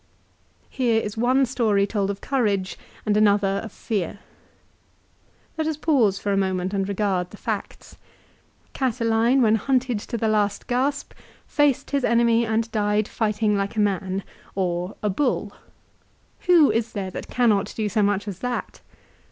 Here is one story told of courage, and another of fear. Let us pause for a moment, and regard the facts. Catiline when hunted to the last gasp faced his enemy and died fighting like a man, or a bull. Who is there cannot do so much as that